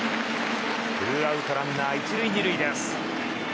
２アウトランナー１塁２塁です。